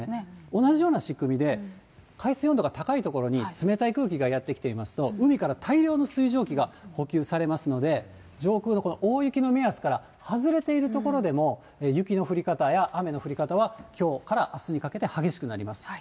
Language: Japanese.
同じような仕組みで、海水温度が高い所に冷たい空気がやって来ていますと、海から大量の水蒸気が補給されますので、上空のこの大雪の目安から外れている所でも、雪の降り方や雨の降り方は、きょうからあすにかけて激しくなります。